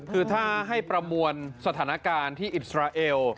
คือถ้าให้ประมวลสถานการณ์ที่อิสราเอล